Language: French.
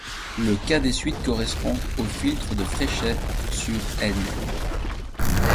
Le cas des suites correspond au filtre de Fréchet sur ℕ.